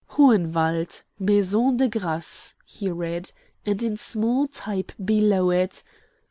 "Hohenwald (Maison de Grasse)," he read, and in small type below it: "1.